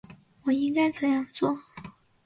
我应该怎样做？